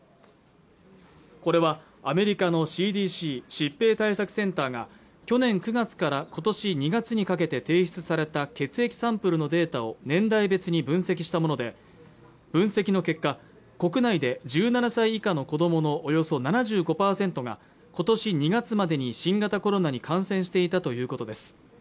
これはアメリカのＣＤＣ＝疾病対策センターが去年９月から今年２月にかけて提出された血液サンプルのデータを年代別に分析したもので分析の結果国内で１７歳以下の子どものおよそ７５％が今年２月までに新型コロナに感染していたということです